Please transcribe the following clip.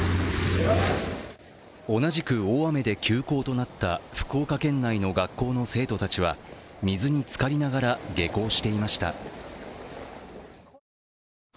同じく大雨で休校となった福岡県内の学校の生徒たちは水につかりながら下校していました。